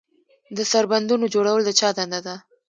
د سربندونو جوړول د چا دنده ده؟